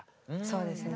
そうですね。